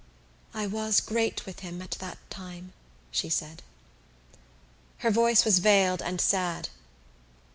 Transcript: "I was great with him at that time," she said. Her voice was veiled and sad.